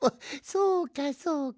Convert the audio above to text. そうかそうか。